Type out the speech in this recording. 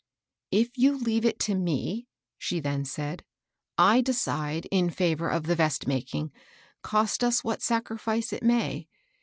" If you leave it to me," she then said, " I de cide in favor of the vest making, cost us what sac rifice it may.